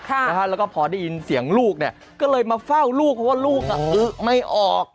แล้วก็พอได้ยินเสียงลูกเนี่ยก็เลยมาเฝ้าลูกเพราะว่าลูกไม่ออก